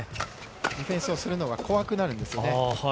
ディフェンスをするのが怖くなるんですよね。